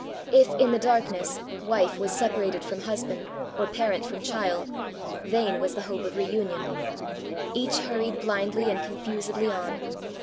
If, in the darkness, wife was separated from hus band, or parent from child, vain was the hope of reun ion. Each hurried blindly and confusedly on.